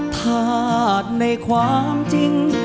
ถ้าในความจริง